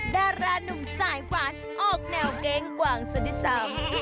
ดาราหนุ่มสายหวานออกแนวเกงกว่างซะที่ซ้ำ